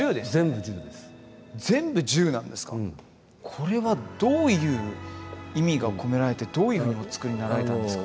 これはどういう意味が込められてどういうふうにお作りになられたんですか？